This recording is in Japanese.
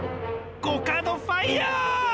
コカドファイア！